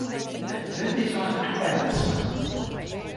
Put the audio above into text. It wurd is oan Akke Radsma.